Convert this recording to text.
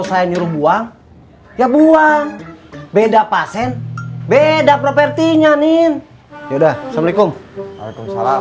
saya nyuruh buang ya buang beda pasien beda propertinya nih yaudah assalamualaikum waalaikumsalam